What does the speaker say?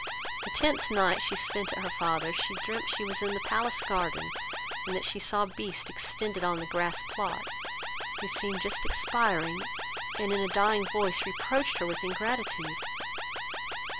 The tenth night she spent at her father's, she dreamed she was in the palace garden, and that she saw Beast extended on the grass plot, who seemed just expiring, and, in a dying voice, reproached her with her ingratitude.